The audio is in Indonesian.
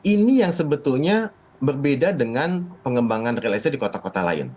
ini yang sebetulnya berbeda dengan pengembangan real estate di kota kota lain